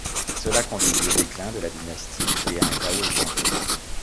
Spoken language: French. Cela conduisit au déclin de la dynastie et à un chaos étendu.